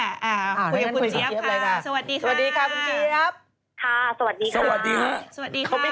คุยกับคุณเจี๊ยบค่ะสวัสดีค่ะคุณเจี๊ยบค่ะสวัสดีค่ะสวัสดีค่ะคุณเจี๊ยบ